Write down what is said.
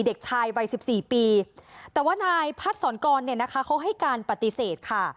เด็กชายวัยสิบสี่ปีแต่ว่านายพัดสอนกรเนี่ยนะคะเขาให้การปฏิเสธค่ะ